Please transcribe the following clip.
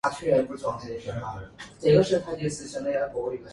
He received his musical education at the Wiener Musikakademie.